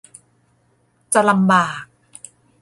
จะลำบาก